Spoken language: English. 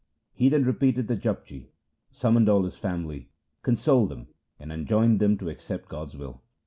He then repeated the Japji, summoned all his family, consoled them, and enjoined them to accept God's will.